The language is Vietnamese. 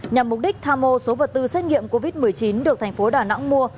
nhằm mục đích tham mô số vật tư xét nghiệm covid một mươi chín được tp đà nẵng mua